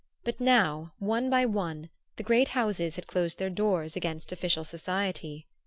But now, one by one, the great houses had closed their doors against official society.